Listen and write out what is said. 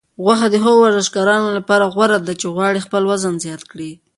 غوښه د هغو ورزشکارانو لپاره غوره ده چې غواړي خپل وزن زیات کړي.